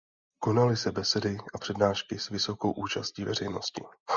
Konaly se besedy a přednášky s vysokou účastí veřejnosti.